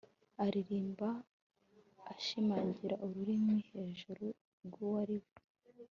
aririmba ashimangira urumuri ruhebuje rwuwo ari we